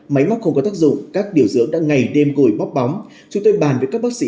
máy móc không có tác dụng các điều dưỡng đã ngày đêm gồi bóp bóng chúng tôi bàn với các bác sĩ